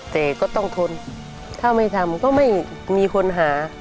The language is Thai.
แต่ก็ต้องทนถ้าไม่ทำก็ไม่มีคนหา